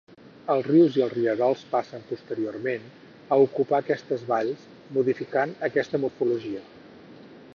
Els rius i els rierols passen, posteriorment, a ocupar aquestes valls, modificant aquesta morfologia.